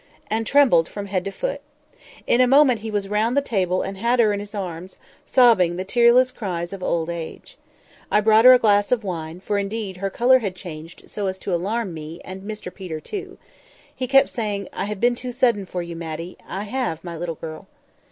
and trembled from head to foot. In a moment he was round the table and had her in his arms, sobbing the tearless cries of old age. I brought her a glass of wine, for indeed her colour had changed so as to alarm me and Mr Peter too. He kept saying, "I have been too sudden for you, Matty—I have, my little girl."